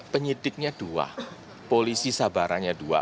penyidiknya dua polisi sabarannya dua